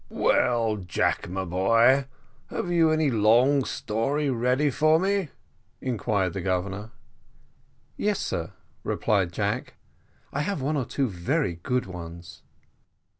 "Well, Jack, my boy, have you any long story ready for me?" inquired the Governor. "Yes, sir," replied Jack, "I have one or two very good ones."